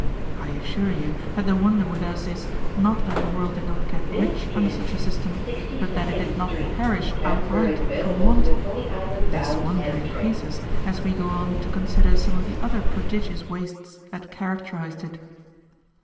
I assure you that the wonder with us is, not that the world did not get rich under such a system, but that it did not perish outright from want. This wonder increases as we go on to consider some of the other prodigious wastes that characterized it.